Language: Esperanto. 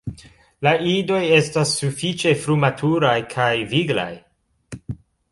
La idoj estas sufiĉe frumaturaj kaj viglaj.